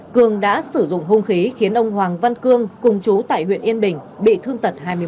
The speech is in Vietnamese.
cường đã sử dụng hung khí khiến ông hoàng văn cương cùng chú tại huyện yên bình bị thương tật hai mươi một